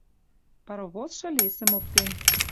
паровозшы лесӹм оптен